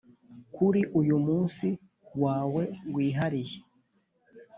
kuri uyu munsi wawe wihariye.